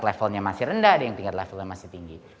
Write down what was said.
levelnya masih rendah ada yang tingkat levelnya masih tinggi